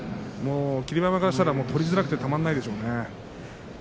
霧馬山からしたら取りづらくてたまらないでしょうね。